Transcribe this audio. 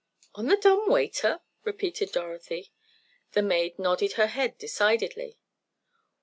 "On the dumb waiter?" repeated Dorothy. The maid nodded her head decidedly.